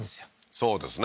そうですね